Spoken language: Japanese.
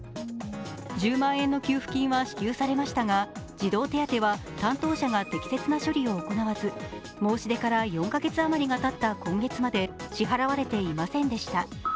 １０万円の給付金は支給されましたが児童手当は担当者が適切な処理を行わず申し出から４カ月余りがたった今月まで支払われていませんでした。